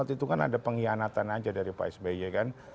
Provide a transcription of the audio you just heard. waktu itu kan ada pengkhianatan aja dari pak sby kan